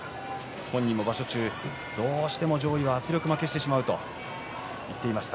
本人も場所中どうしても上位には圧力負けしてしまうと言っていました。